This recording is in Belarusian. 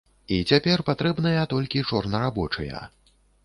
І цяпер патрэбныя толькі чорнарабочыя.